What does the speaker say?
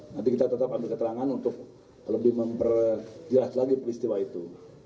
nanti kita tetap ambil keterangan untuk lebih memperjelas lagi peristiwa itu